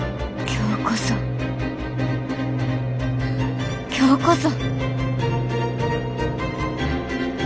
今日こそ今日こそ。